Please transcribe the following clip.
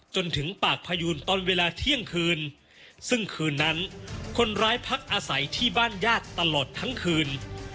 จนถึงปากพยูนตอนเวลาเที่ยงคืนซึ่งคืนนั้นคนร้ายพักอาศัยที่บ้านญาติตลอดทั้งคืน